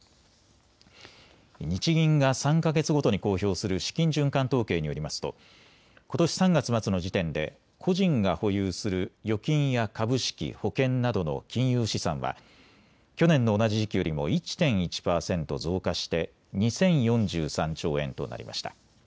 日銀が３か月ごとに公表する資金循環統計によりますとことし３月末の時点で個人が保有する預金や株式、保険などの金融資産は去年の同じ時期よりも１．１％増加して２０４３兆円となりました。